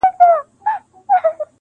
o ورور له کلي لرې تللی دی,